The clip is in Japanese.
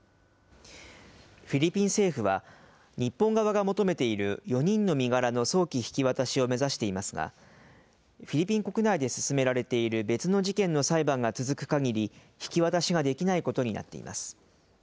フィリピン政府は、日本側が求めている４人の身柄の早期引き渡しを目指していますが、フィリピン国内で進められている別の事件の裁判が続くかぎり、引き渡しができないことになっています。